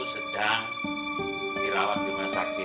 sedang dirawat di rumah